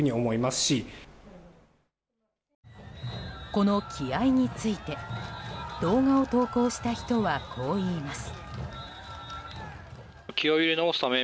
この気合について動画を投稿した人はこういいます。